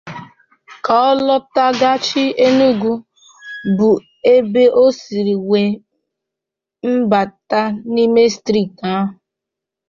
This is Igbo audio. ka ọ laghachi Enugu bụ ebe o siri wee mịbàta n'ime steeti ahụ